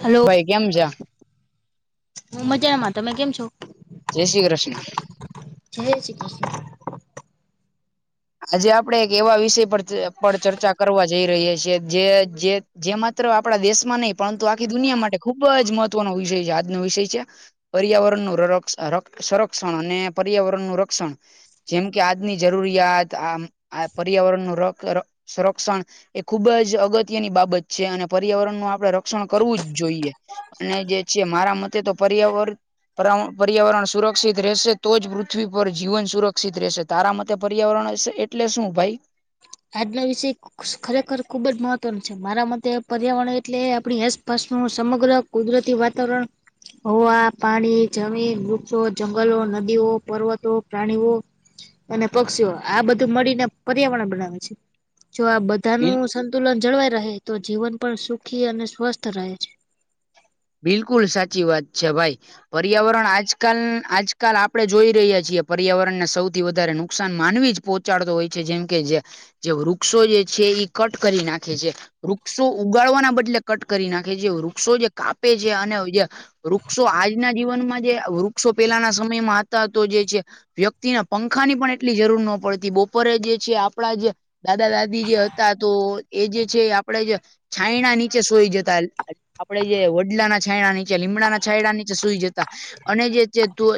Hello ભાઈ કેમ જા હું મજાનામાં તમે કેમ છો જય શ્રી કૃષ્ણ જય શ્રી કૃષ્ણ આજે આપડે એક એવા વિષય પર પર ચર્ચા કરવા જઈ રહીએ છીએ જે જે જે માત્ર આપણા દેશમાં નહીં પરંતુ આખી દુનિયા માટે ખુબ જ મહત્વનો વિષય છે આજનો વિષય છે પર્યાવરણનું સંરક્ષણ અને પર્યાવરણનું રક્ષણ જેમ કે આજની જરૂરિયાત આ પર્યાવરણનું સંરક્ષણ એ ખુબ જ અગત્યની બાબત છે અને પર્યાવરણનું આપડણે રક્ષણ કરવું જ જોઈએ અને જે છે મારા મતે તો પર્યાવરણ પર્યાવરણ સુરક્ષિત રહેશે તો જ પૃથ્વી પર જીવન સુરક્ષિત રહેશે તારા મતે પર્યાવરણ એટલે શું ભાઈ આજના વિશેય ખરેખર ખુબ જ મહત્વનું છે મારા મતે પર્યાવરણ એટલે આપણી આસપાસનું સમગ્ર કુદરતી વાતાવરણ હવા પાણી જમીન વૃક્ષો જંગલો નદીઓ પર્વતો પ્રાણીઓ અને પક્ષીઓ આ બધું મળીને પર્યાવરણ બનાવે છે જો આ બધાનું સંતુલન જળવાઈ રહે તો જીવન પણ સુખી અને સ્વસ્થ રહે છે બિલકુલ સાચી વાત છે ભાઈ પર્યાવરણ આજકાલ આજકાલ આપડે જોઈ રહ્યા છીએ પર્યાવરણ ને સૌથી વધારે નુકસાન માનવી જ પહચાડતો હોય છે જેમ કે જે જે વૃક્ષો જે છે કટ કરી નાખે છે વૃક્ષો ઉગાડવાના બદલે કટ કરી નાખે જે વૃક્ષો જે કાપે છે અને જે વૃક્ષો આજના જીવનમાં જે વ વક્ષો પેલાના સમયમાં હતા તો જે છે વ્યક્તિને પંખાની પણ એટલી જરૂર ન પડતી બપોરે જે છે આપણા જે દાદા દાદી જે હતા તો એ જે છે આપણેે જે છાયણા નીચે સોઈ જતા આપે જે વડલા ના છયડા નીચે લીમડાના છાયડા નીચે સુઈ જતા અને જે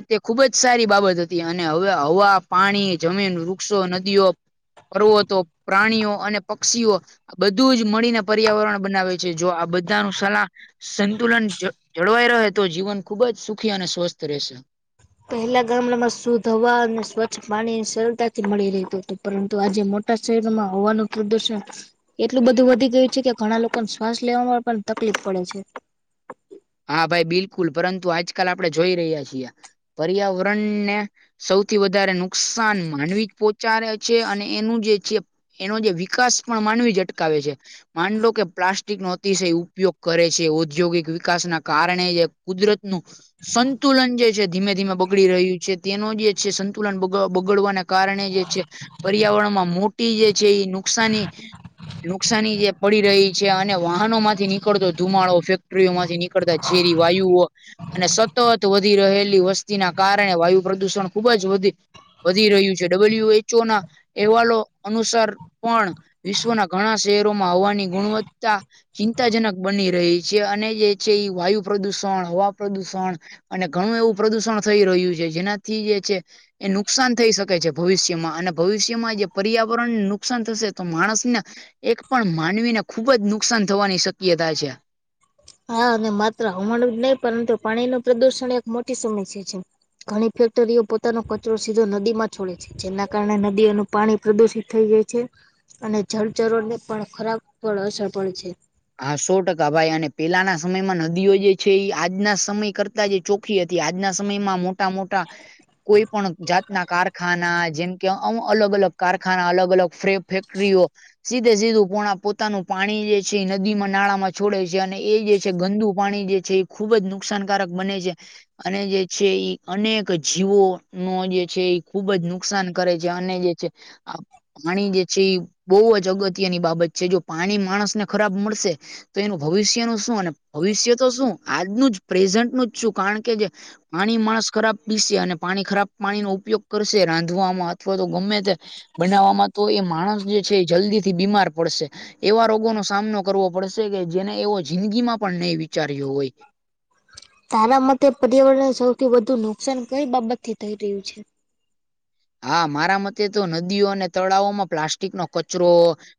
તે ખુબ જ સારી બાબત હતી અને હવે હવા પાણી જમીન ર પક્ષો નદીઓ પર્વતો પ્રાણીઓ અને પક્ષીઓ બધું જ મળીને પર્યાવરણ બનાવે છે જો આ બધાનું સલાહ સંતુલન જળવાઈ રહે તો જીવન ખુબ જ સુખી અને સ્વસ્થ રહેશે પહેલા ગામડામાં શુંદ હવા અને સ્વચ્છ પાણીની સરળતા થી મળી રહેતું હતું પરંતુ આજે મોટા શહેરમાં હવાનું પ્રદુષણ એટલું બધું વધી ગયું છે કે ઘણા લોકોને શ્વાસ લેવામાં પણ તકલીફ પડે છે હા ભાઈ બિલકુલ પરંતુ આજકાલ આપડણે જોઈ રહ્યા છીએ પર્યાવરણને સૌથી વધારે નુકસાન માનવી જ પો ચારે છે અને એનું જે છે એનો જે વિકાસ પણ માનવી જ અટકાવે છે માનડો કે પ્લાસ્ટિક નો અતિશય ઉપયોગ કરે છે ઔદ્યોગિક વિકાસ ના કારણે જે કુદરત નું સંતુલન જે છે ધીમે ધીમે બગડી રહ્યું છે તેનો જે છે સંતુલન બગડવાને કારણે જે છે પર્યાવરણમાં મોટી જે છે એ નુકસાની નુકસાની જે પડી રહી છે અને વાહનો માંથી નીકળતો ધુમાડો ફેક્ટરીઓમાં એ નીકળતા ઝેરી વાયુઓ અને સતત વધી રહેલી વસ્તીના કારણે વાયુ પ્રદૂષણ ખુબ જ વધી વધી રહ્યું છે ડબલ્યુ એચ ઓ ના અહેવાલો અનુસાર પણ વિશ્વના ઘણા શહેરોમાં હવાની ગુણવત્તા ચિંતાજનક બની રહી છે અને જે છે એ વાયુ પ્રદુષણ હવા પ્રદુષણ અને ઘણું એવું પ્રદુષણ થઈ રહ્યું છે જેનાથી જે છે એ નુકસાન થઈ શકે છે ભવિષ્યમાં અને ભવિષ્યમાં જે પર્યાવરણને નુકસાન થશે તો માણસને એક પણ માનવીને ખુબ જ નુકસાન થવાની શક્યતા છે હા અને માત્ર હમણું જ નહી પરંતુ પાણી નું પ્રદુષણ એક મોટી સમસ્યા છે ઘણી ફેક્ટરીઓ પોતાનો કચરો સીધો નદી માં છોડે છે જેના કારણે નદીઓનું પાણી પ્રદુષિત થઈ જાય છે અને જળચરો ને પણ ખરાબ પર અસર પડે છે હા સો ટકા ભાઈ અને પેલાના સમયમાં નદીઓ જે છે એ આજના સમય કર તા જે ચોખી હતી આજના સમયમાં મો ટા મોટા કોઈ પણ જાતના કારખાના જેમ કે અમ અલગ અલગ કારખાના અલગ અલગ ફેક્ટરીઓ સીધે સીધું પો પોતાનું પાણી જે છે એ નદીમાં નાળામાં છોડે છે અને એ જે છે ગંદુ પાણી જે છે એ ખુબ જ નુકસાનકારક બને છે અને જે છે ઈ અનેક જીવો નો જે છે એ ખુબ જ નુકસાન કરે છે અને જે છે આ પાણી જે છે એ બહુ જ અગત્યની બાબત છે જો પાણી માણસને ખરાબ મળશે તો એનું ભવિષ્યનું શું અને ભવિષ્ય તો શું આજનું જ પ્રેઝન્ટનું જ શું કારણ કે જે પાણી માણસ ખરાબ પીસે અને પાણી ખરાબ પાણીનો ઉપયોગ કરશે રાંધવામાં અથવા તો ગમે ત્યાં બનાવામાં તો એ માણસ જે છે જલ્દી થી બીમાર પડશે એવા રોગોનો સામનો કરવો પડશે કે જેને એવો જિંદગીમાં પણ નહી વિચાર્યો હોય તારા મતે પર્યાવરણને સૌથી વધુ નુકસાન કઈ બાબત થી થઈ રહ્યું છે? હા મારા મતે તો નદીઓ અને તળાવમાં પ્લાસ્ટિક નો કચરો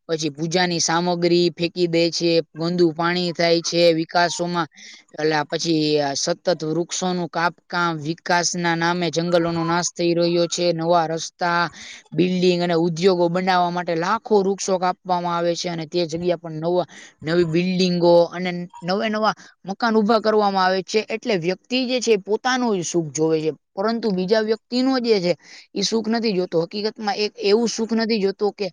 પછી પૂજાની સામગ્રી ફેંકી દે છે ગંદુ પાણી થાય છે વિકાસોમાં એટલે પછી સતત વૃક્ષોનું કાપકામ વિકાસ ના નામે જંગલોનું નાસ થઈ રહ્યો છે નવા રસ્તા બિલ્ડિંગ અને ઉદ્યોગો બનાવવા માટે લાખો વૃક્ષો કાપવામાં આવે છે અને તે જગ્યા પણ નવા નવી બિલ્ડિંગો અને નવા નવા મકાન ઉભા કરવામાં આવે છે એટલે વ્યક્તિ જે છે પોતાનું સુખ જોવે છે પરંતુ બીજા વ્યક્તિ નો જે છે ઈ સુખ નથી જોતો હકીકત માં એક એવું સુખ નથી જોતો કે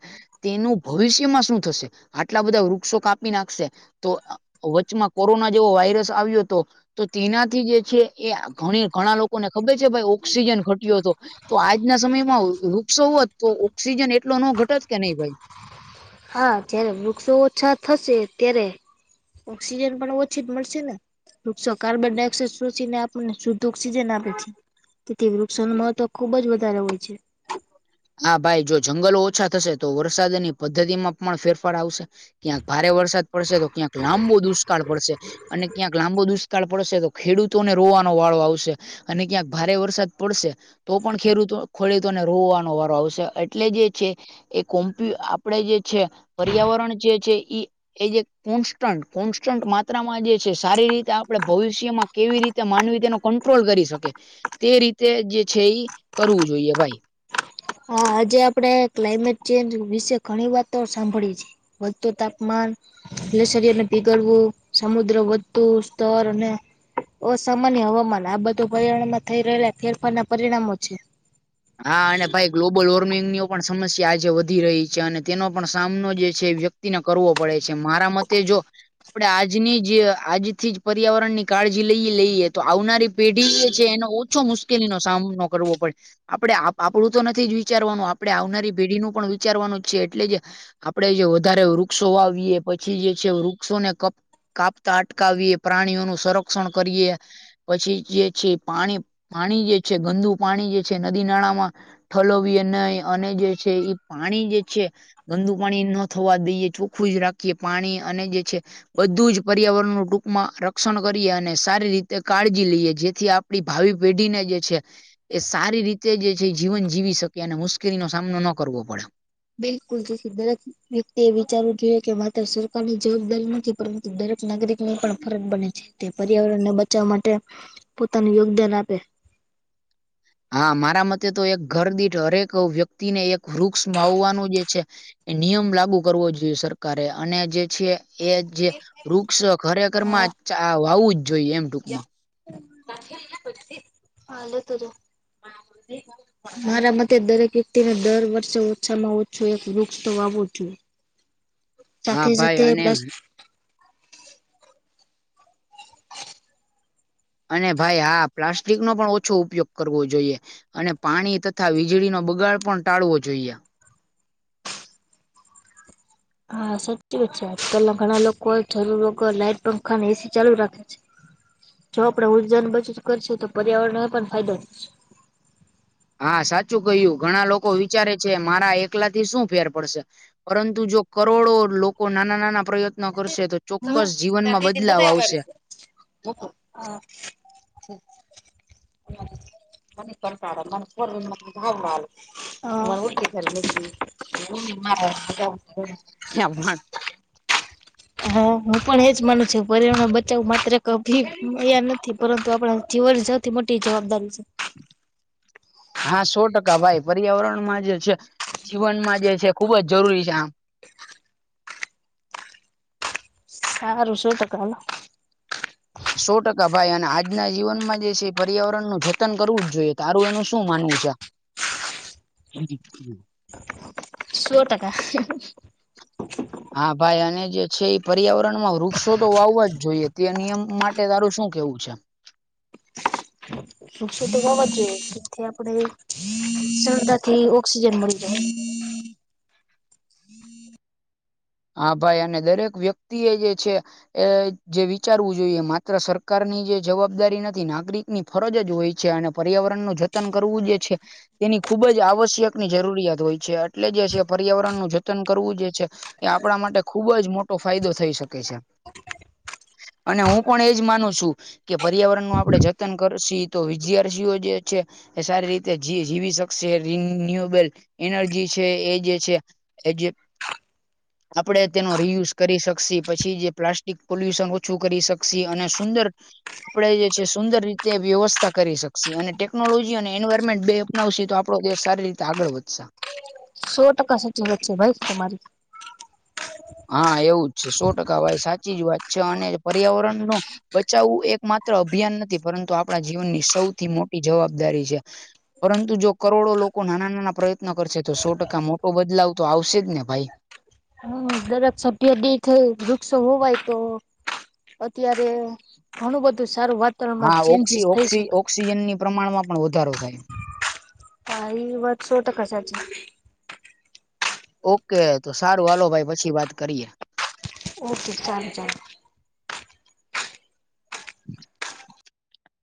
તેનું ભવિષ્યમાં શું થશે આટલા બધા વૃક્ષો કાપી નાખશે તો વચમાં કોરોના જેવો વાયરસ આવ્યો તો તો તેનાથી જે છે એ ઘણી ઘણા લોકોને ખબર છે ભાઈ ઓક્સિજન ઘટ્યો હતો તો આજના સમયમાં વૃક્ષક્ષો હોત તો ઓક્સિજન એટલો ન ઘટત કે નહી ભાઈ હા જ્યારે વૃક્ષો ઓછા થશે ત્યારે ઓક્સિજન પણ ઓછી જ મળશે ને વૃક્ષો કાર્બન ડાયોક્સાઇડ શોીને આપણને શુદ્ધ ઓક્સિજન આપે છે તેથી વૃક્ષોનું મહત્વ ખુબ જ વધારે હોય છે હા ભાઈ જો જંગલો ઓછા થશે તો વરસાદની પદ્ધતિ માં પણ ફેરફાર આવશે ક્યાંક ભારે વરસાદ પડશે તો ક્યાંક લાંબો દુષ્કાળ પડશે અને ક્યાંક લાંબો દુષ્કાળ પડશે તો ખેડૂતોને રોવાનો વાળો આવશે અને ક્યાંક ભારે વરસાદ પડશે તો પણ ખેડૂતો ખેડૂતોને રોવાનો વા આવશે એટલે જે છે એ કોમ્પ આપડે જે છે પર્યાવરણ જે છે ઈ એ જે કોન્સ્ટન્ટ કોન્સ્ટન્ટ માત્રામાં જે છે સારી રીતે આપડે ભવિષ્યમાં કેવી રીતે માનવી તેનો કંટ્રોલ કરી શકે તે રીતે જે છે એ કરવું જોઈએ ભાઈ હા આજે આપડણે ક્લાઇમેટ ચેન્જ વિશે ઘણી વાતો સાંભળી છે. વધતું તાપમાન એટલે શરીરને પીગળવું સમુદ્ર વધતું સ્તર અને અસામાન્ય હવામાન આ બધું પર્યાણમાં થઈ રહેલા ફેરફાર ના પરિણામો છે. હા અને ભાઈ ગ્લોબલ વોર્મિંગની પણ સમસ્યા આજે વધી રહી છે અને તેનો પણ સામનો જે છે વ્યતિ ને કરવો પડે છે મારા મતે જો આપડણે આજની જ આજથી જ પર્યાવરણ ની કાળજી લઈએ લઈએ તો આવનારી પેઢી જે છે એનો ઓછો મુશ્કેલીનો સામનો કરવો પડે આપણે આપડું તો નથી જ વિચારવાનું આપણે આવનારી પેઢીનુંું પણ વિચારવાનું જ છે એટલે જે આપડે જે વધારે વૃક્ષો વાવીએ પછી જે છે વૃક્ષોને ક કાપતા અટકાવીએ પ્રાણીઓ નું સંરક્ષણ કરીએ પછી જે છે પાણી પાણી જે છે ગંદુ પાણી જે છે નદી નાળામાં ઠલોવીએ નહી અને જે છે પાણી જે છે. ગંદુ પાણી ન થવા દઈએ ચોખ્ખું જ રાખીએ પાણી અને જે છે બધું જ પર્યાવરણનું ટૂંકમાં રક્ષણ કરીએ અને સારી રીતે કાળજી લઈએ જેથી આપ આપડી ભાવિ પેઢીને જે છે. એ સારી રીતે જે છે એ જીવન જીવી શકે અને મુશ્કેલીનો સામનો ન કરવો પડે બિકુલ જ સીધા રાખી વ્યક્તિ એ વિચારવું જોઈએ કે માત્ર સરકારની જવાબદારી નથી પરંતુ દરેક નાગરિક ને પણ ફરજ બને છે. તે પર્યાવરણ ને બચાવવા માટે પોતાનું યોગદાન આપે હા મારા મતે તો એક ઘરદીીઠ હરેક વ્યક્તિને એક વૃક્ષ માવવાનું જે છે. એ નિયમ લાગુ કરવો જોઈએ સરકારે અને જે છે એ જે વૃક્ષ ખરેખર હા માં વાવું જ જોઈએ એમ ટૂંકમાં હાલ તજું [unintelligible] મારા મતે દરેક વ્યક્તિને દર વર્ષે ઓછામાં ઓછું એક વૃક્ષ તો વાવો છુંએ હા સાથે ભાઈ સાથે અને પ્લાસ અને ભાઈ હા પ્લાસ્ટિક નો પણ ઓછો ઉપયોગ કરવો જોઈએ અને પાણી તથા વીજળીનોો બગાડ પણ ટાળવો જોઈએ હા સાચી વાત છે આજકાલના ઘણા લોકો જરૂર વગર લાઈટ પંખા ને એસી ચાલુ રાખે છે જો આપડે ઉર્જાની બચત કરશે તો પર્યાવરણને પણ ફાયદો થશે. હા સાચું કહ્યું ઘણા લોકો વિચારે છે મારા એકલા થી શું ફેર પડશે પરંતુ જો કરોડો લોકો નાના નાના પ્રયત્ન કરશે તો ચોક્કસ જીવનમાં બદલાવ આવશે. હ મને પણતાાડ મને ફડ મ ભાડા [unintelligible] હા [unintelligible] જવ હા હું પણ એજ માનું છું પરિવરણ બચાવું માત્ર કભી અયા નથી પરંતુ આપણા જીવન જત થી મ ટી જબદ છે. હા સો ટકા ભાઈ પર્યાવરણમાં જે છે જીવનમાં જે છે ખુબ જ જરૂરી છે આમ સારું શું ટકા સો ટકા ભાઈ અને આજના જીવનમાં જે છે પર્યાવરણનુંું જતન કરવું જ જોઈએ તારું એનું શું માનવું છે આ હમ સો ટકા હા ભાઈ અને જે છે એ પર્યાવરણ માં વૃક્ષો તો વાવવા જ જોઈએ તે નિયમ માટે તારું શું કેવું છે. સુ તો હોવ જ જોઈએ જેથી આપડે સરદર થી ઓક્સિજન મળી જાય હા ભાઈ અને દરેક વ્યક્તિ એ જે છે એ જે વિચારવું જોઈએ માત્ર સરકારની જે જવાબદારી નથી નાગરિક ની ફરજ જ હોય છે અને પર્યાવરણ નું જતન કરવું જે છે તેની ખુબ જ આવશ્યકની જરૂરિયાત હોય છે એટલે જે છે પર્યાવરણનું જતન કરવું જે છે એ આપણા માટે ખુબ જ મોટો ફાયદો થઈ શકે છે અને હું પણ એજ માનું છું. કે પર્યાવરણ નું આપડે જતન કરશે છે એ તો વિદ્યાર્થીઓ જે છે એ સારી રીતે જી જીવી શકશે રિન્યુએબલ એનર્જી છે. એ જે છે. એજે આપડણે તેનો રિયુઝ કરી શકશે. પછી જે પ્લાસ્ટિક પોલ્યુશન ઓછું કરી શકશે અને સુંદર આપણે જે છે સુંદર રીતે વ્યવસ્થા કરી શકશે અને ટેકનોલોજી અને એન્વાયરમેન્ટ બે અપનાવશે તો આપ આપડો દેશ સારી રીતે આગળ વધશે. સો ટકા સાચી વાત છે ભાઈ તમારી. હા એવું જ છે સો ટકા ભાઈ સાચી જ વાત છે. અને પર્યાવરણ નો બચાવવું એક માત્ર અભિયાન નથી. પરંતુ આપણા જીવનની સૌથી મોટી જવાબદારી છે. પરંતુ જો કરોડો લોકો નાના નાના પ્રયત્નો કરશે તો સો ટકા મોટો બદલાવ તો આવશે જ ને ભાઈ. હમ દરેક સભ્ય [unintelligible] વૃક્ષો હોવાય તો અત્યારે ઘણું બધું સારું વાત હા ઓક્સિ ઓક્સિ ઑક્સિજનની પ્રમાણમાં પણ વધારો થાય. હા એ વાત શો ટકા સાચી છે. ઓકે તો સારું હાલો ભાઈ પછી વાત કરીએ. ઓકે ચાલો ચાલો. [inaudible]